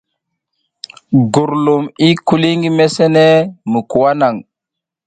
Gurlumo i kuli ngi mesene mi kwak naŋ.